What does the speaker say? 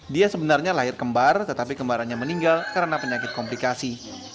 dia sebenarnya lahir kembar tetapi kembarannya meninggal karena penyakit komplikasi